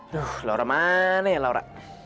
duh laura mana ya laura